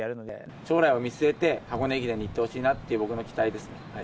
将来を見据えて、箱根駅伝に行ってほしいなっていう僕の期待ですね。